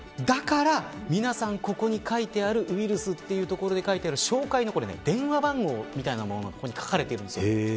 だから、皆さんここに書いてあるウイルスというところの照会の電話番号みたいなものが書かれているんです。